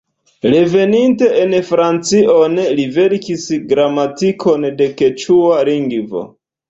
Reveninte en Francion li verkis gramatikon de keĉua lingvo.